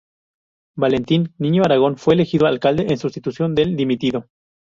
Valentín Niño Aragón fue elegido alcalde en sustitución del dimitido.